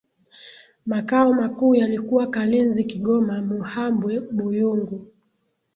Makao makuu yalikuwa kalinzi kigoma muhambwe buyungu